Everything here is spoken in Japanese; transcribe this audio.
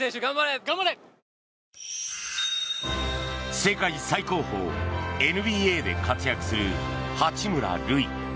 世界最高峰、ＮＢＡで活躍する八村塁。